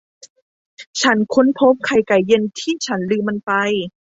ฉันค้นพบไข่ไก่เย็นที่ฉันลืมมันไป